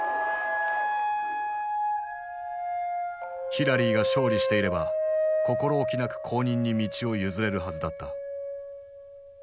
ヒラリーが勝利していれば心おきなく後任に道を譲れるはずだった。